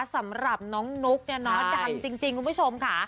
สำหรับน้องนุ๊กเนี่ยเนาะดังจริงคุณผู้ชมค่ะ